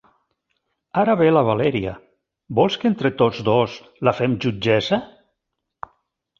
Ara ve la Valèria; vols que entre tots dos la fem jutgessa?